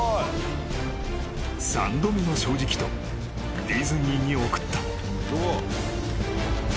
［三度目の正直とディズニーに送った］